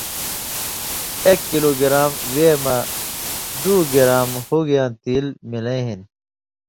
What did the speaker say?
ایک کلو گرام وے مہ دُو گرام ہُگیۡیاں تیل ملَیں ہِن